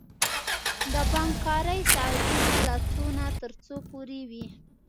د بانک کاری ساعتونه له څو نه تر څو پوری وی؟